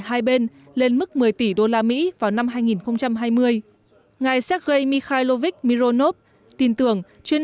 hai bên lên mức một mươi tỷ đô la mỹ vào năm hai nghìn hai mươi ngài sergei mikhailovich mironov tin tưởng chuyến